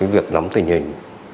việc nắm tình hình